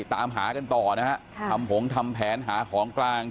ตามหากันต่อนะฮะทำผงทำแผนหาของกลาง